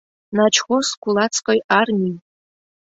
Начхоз кулацкой армии!..